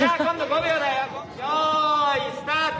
よいスタート！